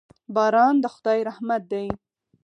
باران د خداي رحمت دي.